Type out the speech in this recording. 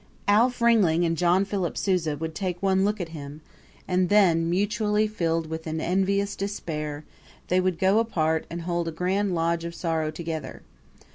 Alf Ringling and John Philip Sousa would take one look at him and then, mutually filled with an envious despair, they would go apart and hold a grand lodge of sorrow together.